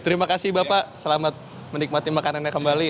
terima kasih bapak selamat menikmati makanannya kembali